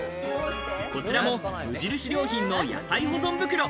こちらも無印良品の野菜保存袋。